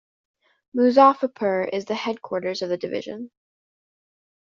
Muzaffarpur is the headquarters of the Division.